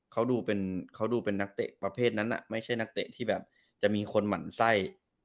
เขาดูเป็นเขาดูเป็นนักเตะประเภทนั้นไม่ใช่นักเตะที่แบบจะมีคนหมั่นไส้